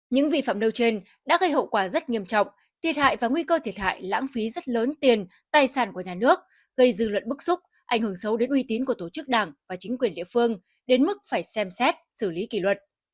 những vi phạm nêu trên đã gây hậu quả rất nghiêm trọng thiệt hại và nguy cơ thiệt hại lãng phí rất lớn tiền tài sản của nhà nước gây dư luận bức xúc ảnh hưởng xấu đến uy tín của tổ chức đảng và chính quyền địa phương đến mức phải xem xét xử lý kỷ luật